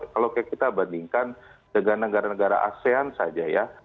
kalau kita bandingkan dengan negara negara asean saja ya